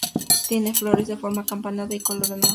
Tiene flores de forma acampanada y color anaranjado.